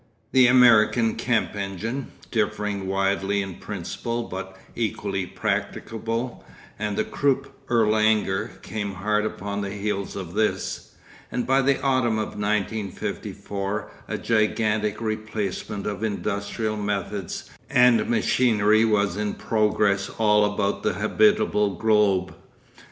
The American Kemp engine, differing widely in principle but equally practicable, and the Krupp Erlanger came hard upon the heels of this, and by the autumn of 1954 a gigantic replacement of industrial methods and machinery was in progress all about the habitable globe.